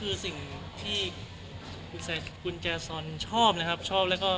เรียกงานไปเรียบร้อยแล้ว